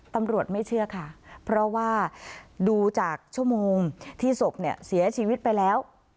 ตำรวจไม่เชื่อค่ะเพราะว่าดูจากชั่วโมงที่ศพเนี่ยเสียชีวิตไปแล้ว